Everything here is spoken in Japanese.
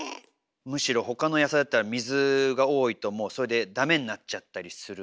むしろほかの野菜だったら水が多いともうそれでダメになっちゃったりするのに。